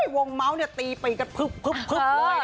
วงเมาส์เนี่ยตีไปกันพึบเลยนะคะ